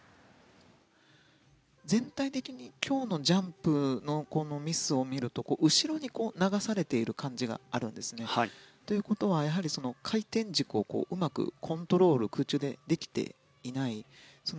全体的に今日のジャンプのミスを見ると後ろに流されている感じがあるんですね。ということは、やはり回転軸をうまくコントロール空中でできていない。